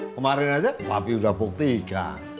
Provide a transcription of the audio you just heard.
kemarin aja papi sudah buktikan